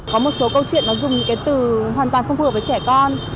có một số câu chuyện nó dùng những cái từ hoàn toàn không phù hợp với trẻ con